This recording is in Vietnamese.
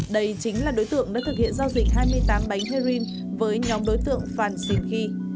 đây chính là đối tượng đã thực hiện giao dịch hai mươi tám bánh heroin với nhóm đối tượng phan xìn khi